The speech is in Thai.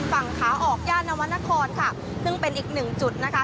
ฝั่งขาออกย่านนวรรณครค่ะซึ่งเป็นอีกหนึ่งจุดนะคะ